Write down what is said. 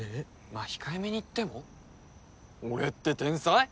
まあ控えめに言っても俺って天才？